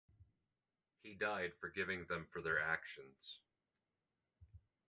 He died forgiving them for their actions.